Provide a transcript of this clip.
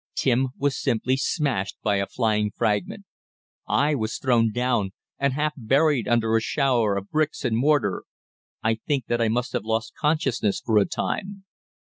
Tim was simply smashed by a flying fragment. I was thrown down, and half buried under a shower of bricks and mortar. I think that I must have lost consciousness for a time.